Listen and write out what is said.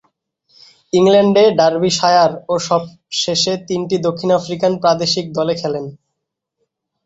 ইংল্যান্ডে ডার্বিশায়ার ও সবশেষে তিনটি দক্ষিণ আফ্রিকান প্রাদেশিক দলে খেলেন।